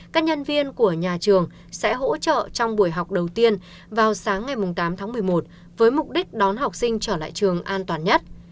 các nhân viên của nhà trường sẽ hỗ trợ trong buổi học đầu tiên vào sáng ngày tám tháng một mươi một với mục đích đón học sinh trở lại trường an toàn nhất